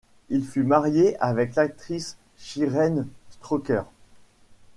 Il fut marié avec l'actrice Shireen Strooker.